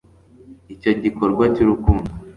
icyo gikorwa cy'urukundo